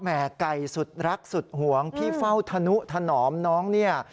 ไก่สุดรักสุดหวงพี่เฝ้าธนุถนอมน้องเนี่ย